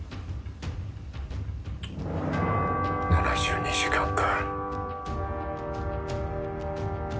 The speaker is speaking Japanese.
７２時間か。